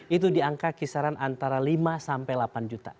itu di angka kisaran antara lima sampai delapan juta